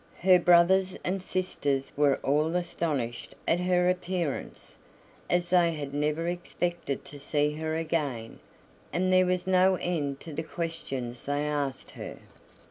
Her brothers and sisters were all astonished at her appearance, as they had never expected to see her again, and there was no end to the questions they asked her.